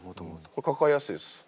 これ抱えやすいです。